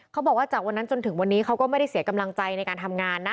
เขาบอกว่าจากวันนั้นจนถึงวันนี้เขาก็ไม่ได้เสียกำลังใจในการทำงานนะ